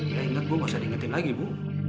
ya inget bu gak usah diingetin lagi bu